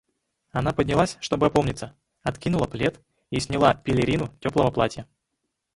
Она поднялась, чтоб опомниться, откинула плед и сняла пелерину теплого платья.